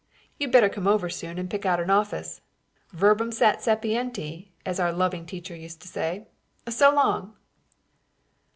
You'd better come over soon and pick out an office. Verbum sat sapienti, as our loving teacher used to say. So long!"